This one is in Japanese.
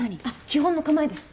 基本の構えです。